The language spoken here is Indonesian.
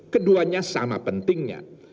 keduanya sama pentingnya